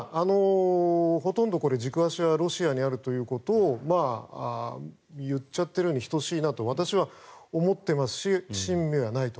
ほとんどこれ、軸足はロシアにあるということを言っちゃってるに等しいなと私は思っていますし新味はないと。